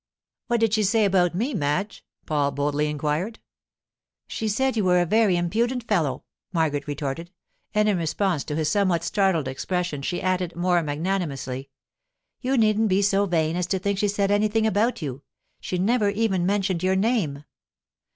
'What did she say about me, Madge?' Paul boldly inquired. 'She said you were a very impudent fellow,' Margaret retorted; and in response to his somewhat startled expression she added more magnanimously: 'You needn't be so vain as to think she said anything about you. She never even mentioned your name.